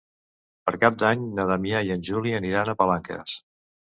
Per Cap d'Any na Damià i en Juli aniran a Palanques.